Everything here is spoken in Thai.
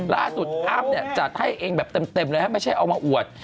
ล่าสุดอ้ำจัดให้เองแบบเต็มเลยนะครับไม่ใช่เอามาอวด